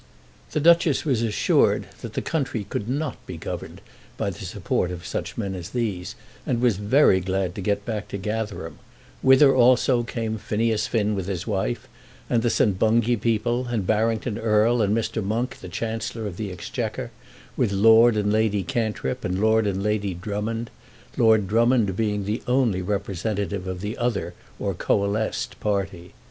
The Duchess was assured that the country could not be governed by the support of such men as these, and was very glad to get back to Gatherum, whither also came Phineas Finn with his wife, and the St. Bungay people, and Barrington Erle, and Mr. Monk, the Chancellor of the Exchequer, with Lord and Lady Cantrip, and Lord and Lady Drummond, Lord Drummond being the only representative of the other or coalesced party.